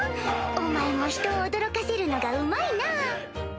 お前も人を驚かせるのがうまいなぁ！